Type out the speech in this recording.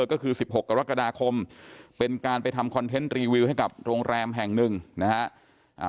ก็คือ๑๖กรกฎาคมเป็นการไปทำคอนเทนต์รีวิวให้กับโรงแรมแห่งหนึ่งนะฮะ